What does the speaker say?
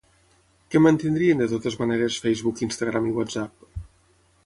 Què mantindrien de totes maneres Facebook, Instagram i WhatsApp?